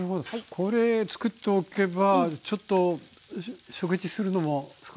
これつくっておけばちょっと食事するのも少し楽になっちゃう。